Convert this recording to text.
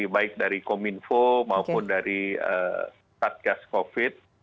baik dari kominfo maupun dari satgas covid